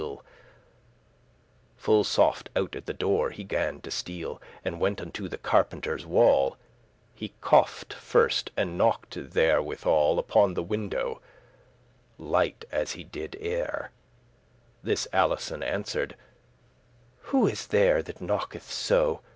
*handle Full soft out at the door he gan to steal, And went unto the carpentere's wall He coughed first, and knocked therewithal Upon the window, light as he did ere*. *before <40> This Alison answered; "Who is there That knocketh so?